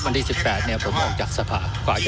เรื่องก้ออาจจะเป็นข้อมูลที่ไม่ครบถ้วน